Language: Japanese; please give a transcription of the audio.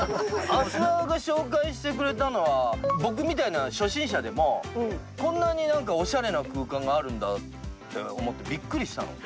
阿諏訪が紹介してくれたのは僕みたいな初心者でもこんなにオシャレな空間があるんだって思ってビックリしたので。